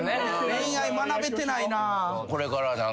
恋愛学べてないな。